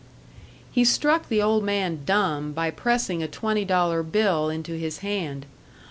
He struck the old man dumb by pressing a twenty dollar bill into his hand.